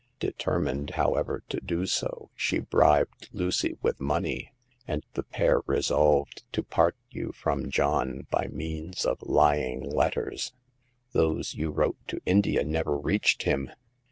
Determined, however, to do so, she bribed Lucy with money, and the pair resolved to part you from John by means of lying letters. Those you wrote to India never reached him.